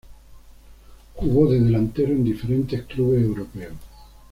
Jugó de delantero en diferentes clubes europeos.